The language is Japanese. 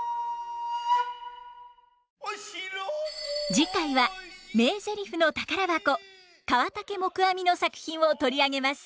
次回は名ゼリフの宝箱河竹黙阿弥の作品を取り上げます。